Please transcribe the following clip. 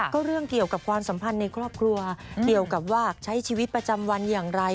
ก็เรื่องเกี่ยวกับความสัมพันธ์ในครอบครัวเกี่ยวกับว่าใช้ชีวิตประจำวันอย่างไร